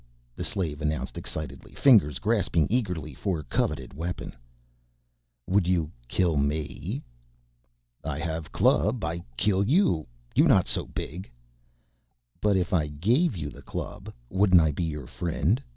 the slave announced excitedly, fingers grasping eagerly for coveted weapon. "Would you kill me?" "I have club, I kill you, you not so big." "But if I gave you the club wouldn't I be your friend?